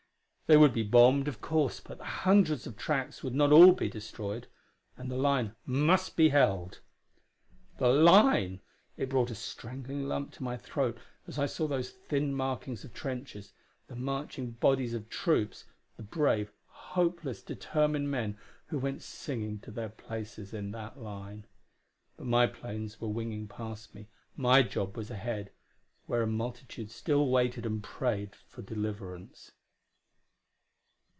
They would be bombed, of course, but the hundreds of tracks would not all be destroyed and the line must be held! The line! it brought a strangling lump to my throat as I saw those thin markings of trenches, the marching bodies of troops, the brave, hopeless, determined men who went singing to their places in that line. But my planes were winging past me; my job was ahead, where a multitude still waited and prayed for deliverance.